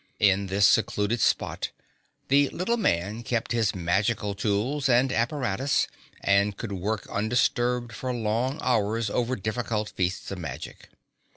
In this secluded spot, the little man kept his magical tools and apparatus and could work undisturbed for long hours over difficult feats of magic.